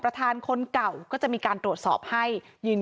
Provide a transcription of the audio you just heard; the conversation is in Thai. เพราะมันเอาไปสำหรับใช้ค่ะจริง